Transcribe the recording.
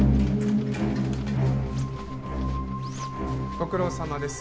ご苦労さまです。